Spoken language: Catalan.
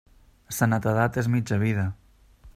Sa netedat és mitja vida.